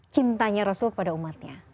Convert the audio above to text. cintanya rasul kepada umatnya